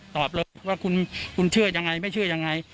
ตอบเลยว่าคุณเชื่อยังไงไม่เชื่อยังไง